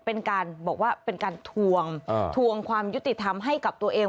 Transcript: เป็นการบอกว่าเป็นการทวงทวงความยุติธรรมให้กับตัวเอง